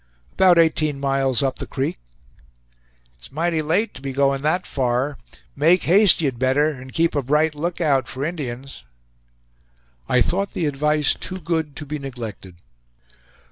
"About eighteen miles up the creek." "It's mighty late to be going that far! Make haste, ye'd better, and keep a bright lookout for Indians!" I thought the advice too good to be neglected.